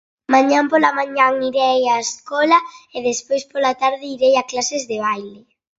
Mañán pola mañán irei á escola e despois pola tarde irei a clases de baile.